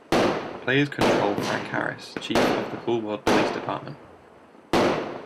Players control Frank Harris, chief of the Cool World police department.